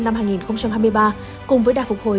năm hai nghìn hai mươi ba cùng với đa phục hồi